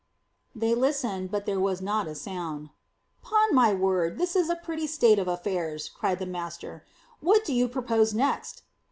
They listened, but there was not a sound. "'Pon my word! This is a pretty state of affairs!" cried the master. "What do you propose next?"